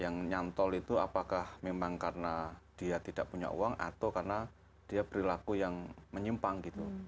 yang nyantol itu apakah memang karena dia tidak punya uang atau karena dia perilaku yang menyimpang gitu